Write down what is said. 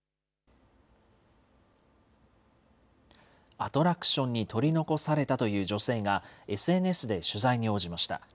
アトラクションに取り残されたという女性がＳＮＳで取材に応じました。